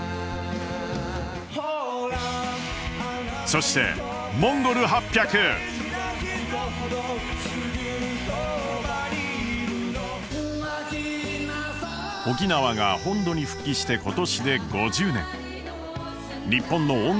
そして沖縄が本土に復帰して今年で５０年。